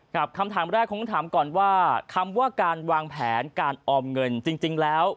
คำถามแรกคงต้องถามก่อนว่าคำว่าการวางแผนการออมเงินจริงแล้ว